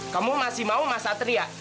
kamu masih mau mas satria